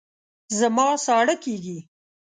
زما ساړه کېږي